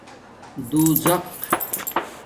دُوزق